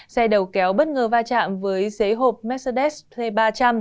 xe đầu kéo bất ngờ va chạm với xế hộp mercedes thuê ba trăm linh